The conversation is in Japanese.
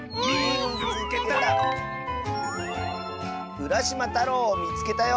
「うらしまたろうをみつけたよ！」。